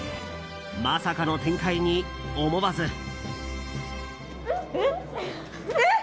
まさかの展開に、思わず。